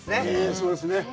そうですね。